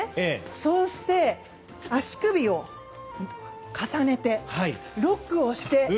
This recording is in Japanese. そうして、足首を重ねてロックをして。